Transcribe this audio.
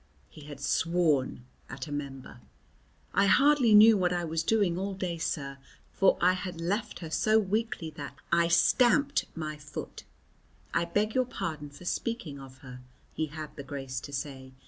He had sworn at a member! "I hardly knew what I was doing all day, sir, for I had left her so weakly that " I stamped my foot. "I beg your pardon for speaking of her," he had the grace to say.